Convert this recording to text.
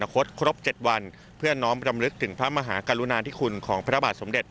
ครับ